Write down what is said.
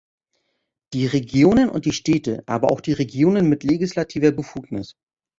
Die Regionen und die Städte, aber auch die Regionen mit legislativer Befugnis.